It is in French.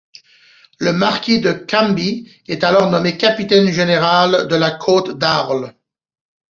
Le marquis de Cambis est alors nommé Capitaine-Général de la côte d'Arles.